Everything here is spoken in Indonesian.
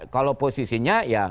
kalau posisinya ya